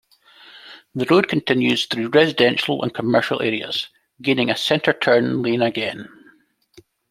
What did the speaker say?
The road continues through residential and commercial areas, gaining a center turn lane again.